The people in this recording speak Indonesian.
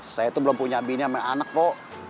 saya tuh belum punya bini sama anak po